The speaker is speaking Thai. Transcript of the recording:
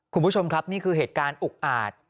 คุณผู้ชมครับนี่คือเหตุการณ์อุกอาจ